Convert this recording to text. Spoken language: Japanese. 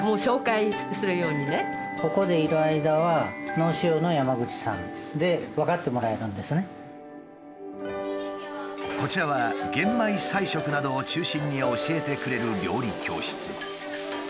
大体こちらは玄米菜食などを中心に教えてくれる料理教室。